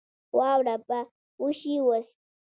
واوره به وشي اوس